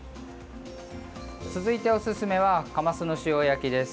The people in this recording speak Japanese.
続いて、おすすめはカマスの塩焼きです。